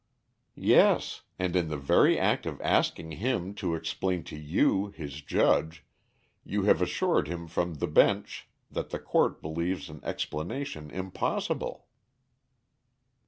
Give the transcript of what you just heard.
"Yes; and in the very act of asking him to explain to you, his judge, you have assured him from the bench that the court believes an explanation impossible."